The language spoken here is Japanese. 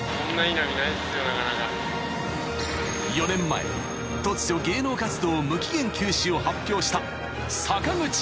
［４年前突如芸能活動無期限休止を発表した］